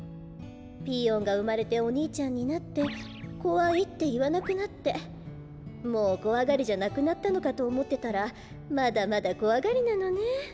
ピーヨンがうまれておにいちゃんになって「こわい」っていわなくなってもうこわがりじゃなくなったのかとおもってたらまだまだこわがりなのねえ。